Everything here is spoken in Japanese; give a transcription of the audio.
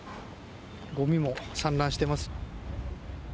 ゴミも散乱しています。